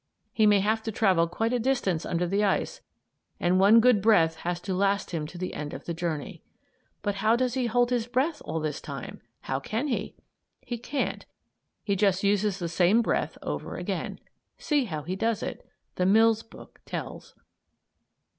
He may have to travel quite a distance under the ice, and one good breath has to last him to the end of the journey. "But does he hold his breath all this time? How can he?" He can't. He just uses the same breath over again. See how he does it. The Mills book tells.